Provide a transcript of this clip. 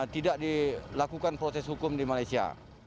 tidak dilakukan proses hukum di malaysia